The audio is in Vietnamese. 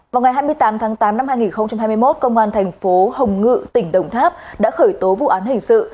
vào ngày hai mươi tám tháng tám năm hai nghìn hai mươi một công an thành phố hồng ngự tỉnh đồng tháp đã khởi tố vụ án hình sự